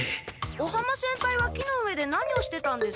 尾浜先輩は木の上で何をしてたんです？